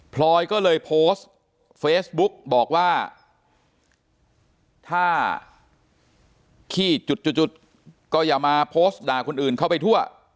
พลอยก็เลยโพสต์เฟซบุ๊กบอกว่าถ้าขี้จุดก็อย่ามาโพสต์ด่าคนอื่นเข้าไปทั่ว